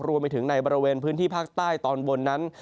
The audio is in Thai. รวมไปถึงในบริเวณพื้นที่ภาคใต้ตอนบนนั้น